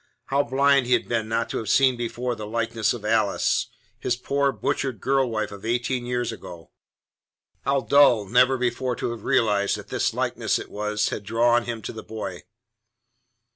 How blind he had been not to have seen before the likeness of Alice his poor, butchered girl wife of eighteen years ago. How dull never before to have realized that that likeness it was had drawn him to the boy.